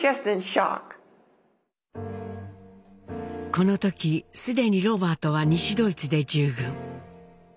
この時既にロバートは西ドイツで従軍。